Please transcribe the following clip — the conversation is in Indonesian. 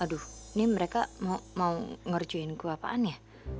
aduh ini mereka mau ngerjain gue apaan ya